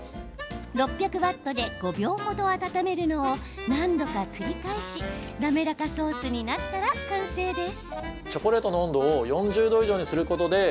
６００ワットで５秒程温めるのを何度か繰り返し滑らかソースになったら完成です。